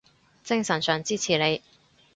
精神上支持你